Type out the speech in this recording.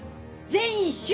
全員集中。